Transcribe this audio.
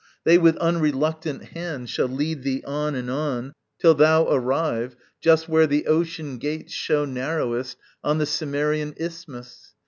They with unreluctant hand Shall lead thee on and on, till thou arrive Just where the ocean gates show narrowest On the Cimmerian isthmus.